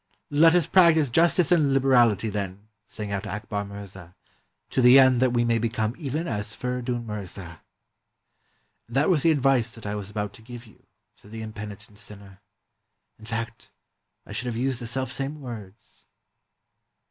"Let us practice justice and HberaHty, then," sang out Akbar Mirza, " to the end that we may become even as Feridun Mirza." "And that was the advice that I was about to give you," said the impenitent sinner. "In fact, I should have used the selfsame words."